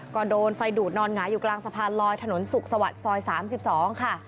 ก็โดนไฟดูดนอนหงายอยู่กลางสะพานลอยถนนสุขสวัสดิ์ซอย๓๒ค่ะ